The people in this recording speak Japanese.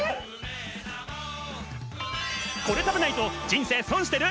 これ食べないと人生損してる？！